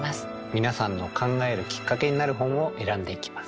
皆さんの考えるきっかけになる本を選んでいきます。